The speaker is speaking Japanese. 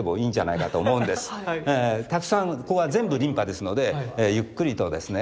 たくさんここは全部琳派ですのでゆっくりとですね